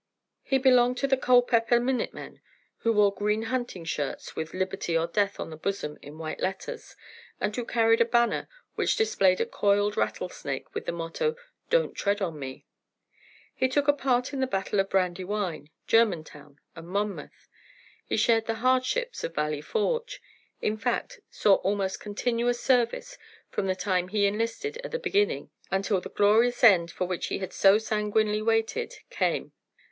He belonged to the Culpepper Minute men, who wore green hunting shirts with "Liberty or Death" on the bosom in white letters, and who carried a banner which displayed a coiled rattlesnake with the motto, "Don't tread on me." He took a part in the battle of Brandywine, Germantown and Monmouth; he shared the hardships of Valley Forge; in fact saw almost continuous service from the time he enlisted at the beginning until the glorious end, for which he had so sanguinely waited, came.